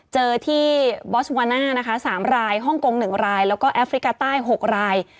เจอที่บอสวาน่านะคะ๓รายฮ่องกง๑รายแล้วก็แอฟริกาใต้๖ราย